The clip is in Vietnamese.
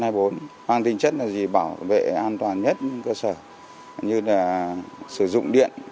hoàn tình chất là gì bảo vệ an toàn nhất cơ sở như sử dụng điện